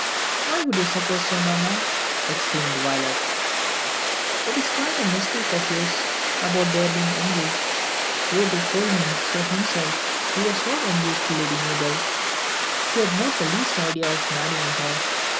"Why should you suppose so, mamma?" exclaimed Violet. "It is quite a mistake of yours about their being engaged. Roderick told me so himself. He was not engaged to Lady Mabel. He had not the least idea of marrying her."